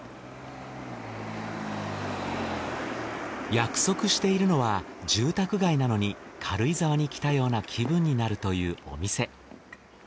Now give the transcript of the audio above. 約束しているのは住宅街なのに軽井沢に来たような気分になるというお店。